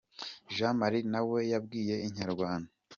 Jean Marie na we yabwiye Inyarwanda.